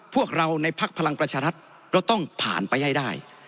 พวกเราในภักดิ์พลังประชารัฐเราต้องผ่านไปให้ได้